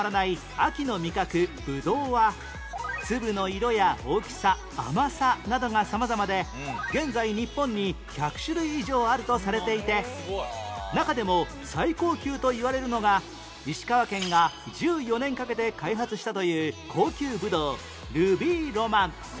秋の味覚ぶどうは粒の色や大きさ甘さなどが様々で現在日本に１００種類以上あるとされていて中でも最高級といわれるのが石川県が１４年かけて開発したという高級ぶどうルビーロマン